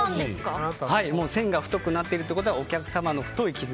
線が太くなっているということはお客様との太い絆。